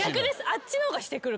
あっちの方がしてくる。